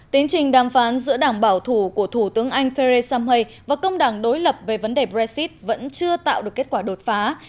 tiến trình đàm phán giữa đảng bảo thủ của thủ tướng anh theresa may và công đảng đối lập về vấn đề brexit vẫn chưa tạo được kết quả đột phá